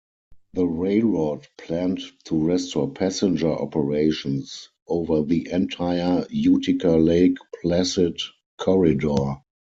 The railroad planned to restore passenger operations over the entire Utica-Lake Placid corridor.